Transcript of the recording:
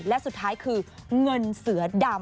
และสุดท้ายคือเงินเสือดำ